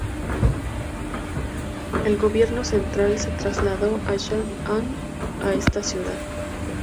El gobierno central se trasladó a Yan'an a esta ciudad.